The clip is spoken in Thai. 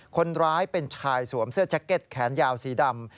คนร้ายเป็นชายสวมเสื้อแจ็คเก็ตแขนยาวสีดำ